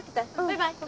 バイバイ！